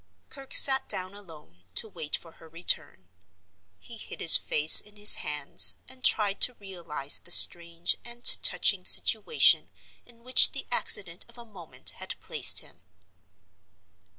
Kirke sat down alone, to wait for her return. He hid his face in his hands, and tried to realize the strange and touching situation in which the accident of a moment had placed him.